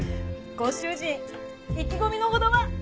ご主人意気込みのほどは？